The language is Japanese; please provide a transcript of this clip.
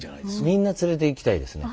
みんな連れていきたいですね。